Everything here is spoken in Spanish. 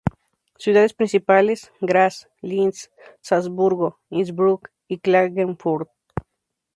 Ciudades principales: Graz, Linz, Salzburgo, Innsbruck y Klagenfurt.